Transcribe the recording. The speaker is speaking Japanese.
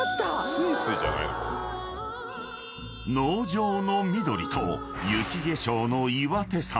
［農場の緑と雪化粧の岩手山］